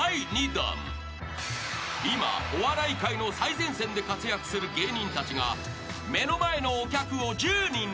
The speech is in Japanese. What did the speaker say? ［今お笑い界の最前線で活躍する芸人たちが目の前のお客を１０人連続で笑わせる］